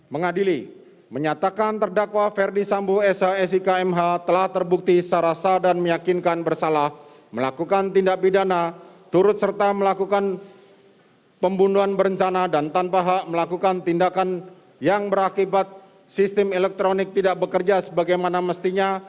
mengadili menyatakan terdakwa ferdi sambo shsik mh telah terbukti secara sah dan meyakinkan bersalah melakukan tindak pidana turut serta melakukan pembunuhan berencana dan tanpa hak melakukan tindakan yang berakibat sistem elektronik tidak bekerja sebagaimana mestinya